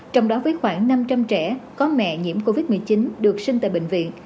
trong đó với khoảng năm trăm linh trẻ có mẹ nhiễm covid một mươi chín được sinh tại bệnh viện